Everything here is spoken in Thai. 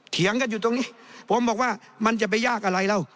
เถียงกันอยู่ตรงนี้ผมบอกว่ามันจะไปยากอะไรแล้ว